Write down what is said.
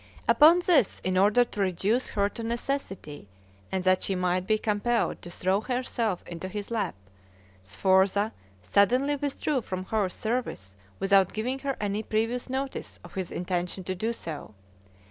Upon this, in order to reduce her to necessity, and that she might be compelled to throw herself into his lap, Sforza suddenly withdrew from her service without giving her any pervious notice of his intention to do so.